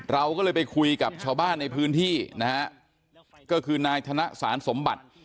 เราก็เลยไปคุยกับชาวบ้านในพื้นที่นะฮะก็คือนายธนสารสมบัติ